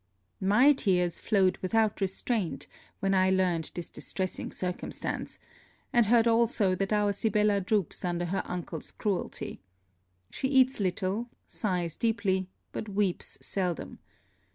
My tears flowed without restraint when I learned this distressing circumstance, and heard also that our Sibella droops under her uncle's cruelty. She eats little, sighs deeply, but weeps seldom.